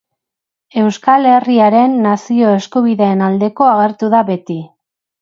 Euskal Herriaren nazio eskubideen aldeko agertu da beti.